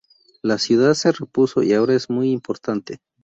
La ciudad se repuso y ahora es muy importante.